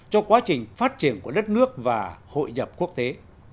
cho quá trình phát triển của đất nước và hội nhập quốc tế